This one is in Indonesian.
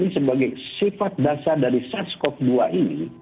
saya rasa dari sars cov dua ini